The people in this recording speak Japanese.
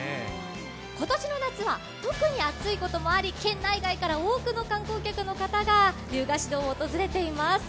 今年の夏は特に暑いこともあり、県内外から多くの観光客の方が竜ヶ岩洞を訪れています。